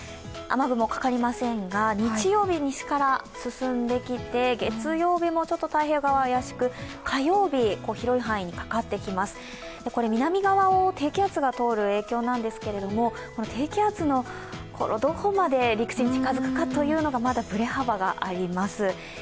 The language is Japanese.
雨雲かかりませんが、日曜日、西から進んできて月曜日も太平洋側、怪しく、火曜日、広い範囲にかかってきます南側を低気圧が通る影響なんですけれども、低気圧、どこまで陸地に近づくかというのがまだぶれ幅があります。